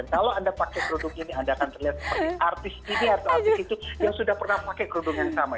dan kalau anda pakai kerudung ini anda akan terlihat seperti artis ini atau artis itu yang sudah pernah pakai kerudung yang sama